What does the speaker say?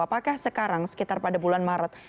apakah sekarang sekitar pada bulan maret